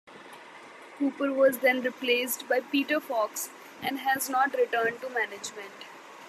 Cooper was then replaced by Peter Fox and has not returned to management.